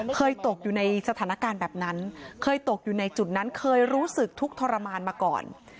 เคยตกอยู่ในสถานการณ์แบบนั้นเคยตกอยู่ในจุดนั้นเคยรู้สึกทุกข์ทรมานมาก่อน